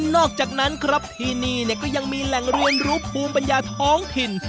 อกจากนั้นครับที่นี่ก็ยังมีแหล่งเรียนรู้ภูมิปัญญาท้องถิ่น